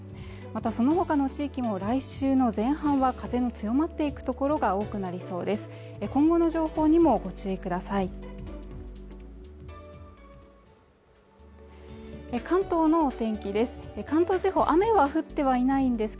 またそのほかの地域も来週の前半は風の強まっていく所が多くなりそうです